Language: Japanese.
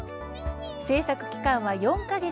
制作期間は４か月。